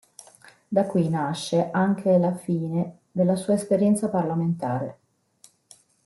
Da qui nasce anche la fine della sua esperienza parlamentare.